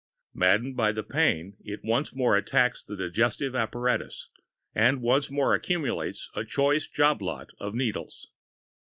Maddened by the pain, it once more attacks the digestive apparatus, and once more accumulates a choice job lot of needles.